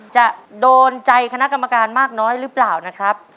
จะโดนใจคณะกรรมการมากน้อยหรือเปล่านะครับ